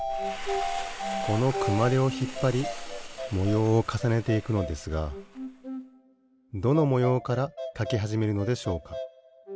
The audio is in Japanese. このくまでをひっぱりもようをかさねていくのですがどのもようからかきはじめるのでしょうか？